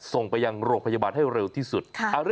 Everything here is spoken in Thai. ส่งไปยังโรงพยาบาลให้เร็วที่สุด